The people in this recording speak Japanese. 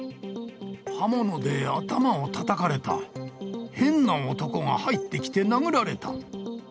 刃物で頭をたたかれた、変な男が入ってきて殴られた。